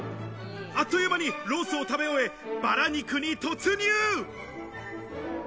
あっという間にロースを食べ終え、バラ肉に突入。